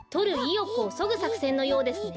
よくをそぐさくせんのようですね。